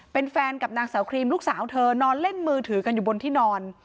เป็นแฟนกับนางสาวครีมลูกสาวเธอนอนเล่นมือถือกันอยู่บนที่นอน